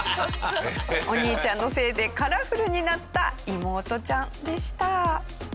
お兄ちゃんのせいでカラフルになった妹ちゃんでした。